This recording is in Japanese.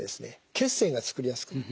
血栓が作りやすくなる。